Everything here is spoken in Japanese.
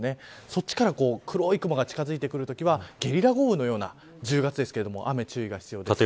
そっちから黒い雲が近づいてくるときはゲリラ豪雨のような１０月ですが、警戒が必要です。